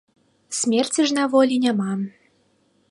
Смерці ж на волі няма.